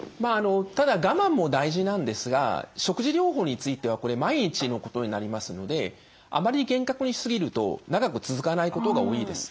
ただ我慢も大事なんですが食事療法についてはこれ毎日のことになりますのであまり厳格にしすぎると長く続かないことが多いです。